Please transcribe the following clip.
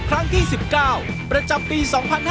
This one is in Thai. ครั้งที่๑๙ประจำปี๒๕๕๙